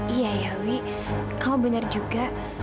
iya iyawi kau benar juga